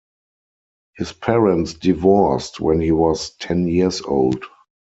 His parents divorced when he was ten years old.